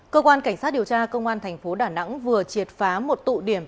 cơ quan cảnh sát điều tra công an tp đà nẵng vừa triệt phá một tụ điểm